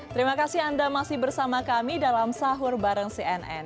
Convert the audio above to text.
terima kasih anda masih bersama kami dalam sahur bareng cnn